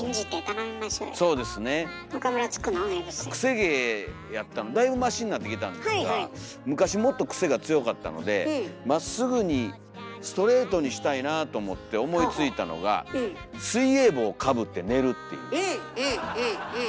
癖毛やったのだいぶましになってきたんですが昔もっと癖が強かったのでまっすぐにストレートにしたいなと思って思いついたのがうんうんうんうん。